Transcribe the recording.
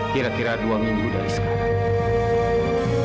kira kira dua minggu dari sekarang